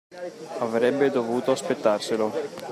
Avrebbe dovuto aspettarselo.